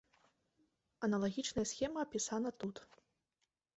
Аналагічная схема апісана тут.